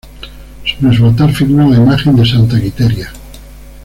Sobre su altar figura la imagen de Santa Quiteria.